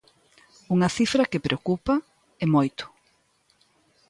Unha cifra que preocupa, e moito.